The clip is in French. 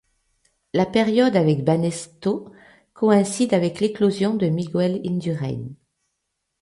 La période avec Banesto coïncide avec l'éclosion de Miguel Indurain.